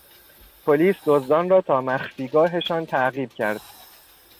پلیس دزدان را تا مخفیگاهشان تعقیب کرد.